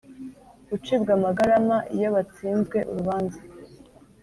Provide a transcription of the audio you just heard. gucibwa amagarama iyo batsinzwe urubanza